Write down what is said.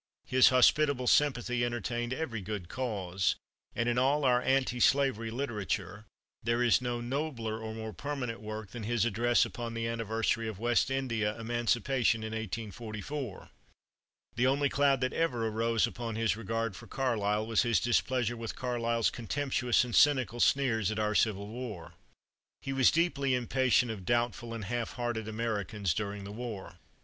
His hospitable sympathy entertained every good cause, and in all our antislavery literature there is no nobler or more permanent work than his address upon the anniversary of West India emancipation in 1844. The only cloud that ever arose upon his regard for Carlyle was his displeasure with Carlyle's contemptuous and cynical sneers at our civil war. He was deeply impatient of doubtful and half hearted Americans during the war.